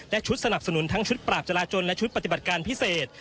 และชุดสนับสนุนทั้งชุดปราบจราจนและชุดปฏิบัติการพิเศษ